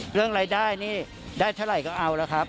เรื่องรายได้นี่ได้เท่าไหร่ก็เอาแล้วครับ